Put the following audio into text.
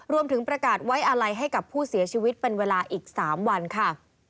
รวมถึงประกาศไว้อาลัยให้กับผู้เสียชีวิตเป็นเวลาอีก๓วันค่ะ